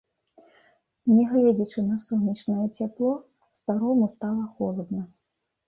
Не гледзячы на сонечнае цяпло, старому стала холадна.